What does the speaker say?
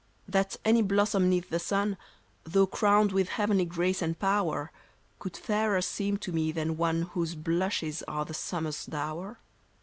That any blossom 'neath the sun, Though crowned with heavenly grace and power, Could fairer seem to me than one Whose blushes are the summer's dower